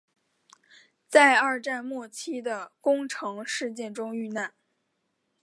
在二战末期的宫城事件中遇难。